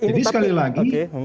jadi sekali lagi